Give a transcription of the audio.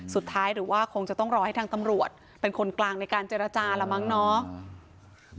หรือว่าคงจะต้องรอให้ทางตำรวจเป็นคนกลางในการเจรจาละมั้งเนาะ